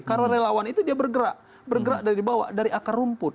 karena relawan itu dia bergerak bergerak dari bawah dari akar rumput